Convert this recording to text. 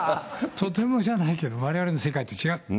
とてもじゃないけど、われわれの世界と違う。